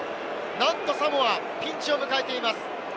なんとサモア、ピンチを迎えています。